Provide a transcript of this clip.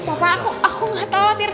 papa aku gak tau